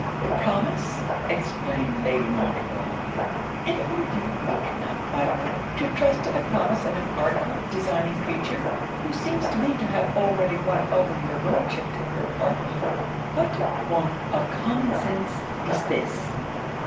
'Her promise!' exclaimed Lady Montreville. 'And are you weak enough, my Lord, to trust to the promise of an artful, designing creature, who seems to me to have already won over your Lordship to her party? What want of common sense is this!